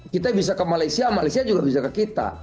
kita bisa ke malaysia malaysia juga bisa ke kita